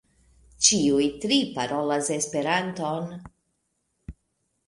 Ĉiuj tri parolas Esperanton.